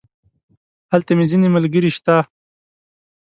هلته مې ځينې ملګري شته.